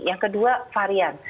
yang kedua varian